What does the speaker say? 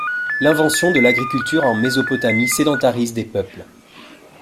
L'invention de l'agriculture en Mésopotamie sédentarise des peuples.